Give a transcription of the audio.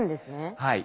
はい。